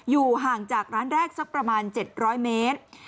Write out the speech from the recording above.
อยู่ห่างจากร้านแรกสักประมาณ๗๐๐เมตร